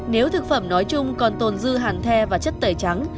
nếu thực phẩm nói chung còn tồn dư hàn the và chất tẩy trắng